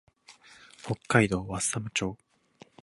北海道和寒町